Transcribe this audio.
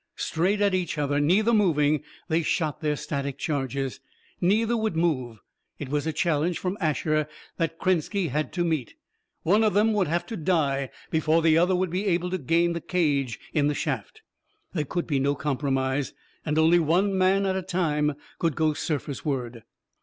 Straight at each other, neither moving, they shot their static charges. Neither would move: it was a challenge from Asher that Krenski had to meet. One of them would have to die before the other would be able to gain the cage in the shaft. There could be no compromise, and only one man at a time could go surfaceward.